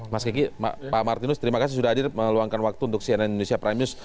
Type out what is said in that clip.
mas kiki pak martinus terima kasih sudah hadir meluangkan waktu untuk cnn indonesia prime news